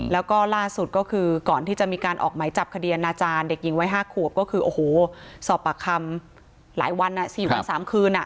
แล้วก็ล่าสุดก็คือก่อนที่จะมีการออกไหมจับคดีอนาจารย์เด็กหญิงวัย๕ขวบก็คือโอ้โหสอบปากคำหลายวัน๔วัน๓คืน